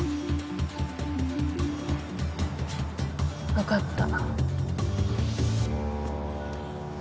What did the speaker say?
分かった。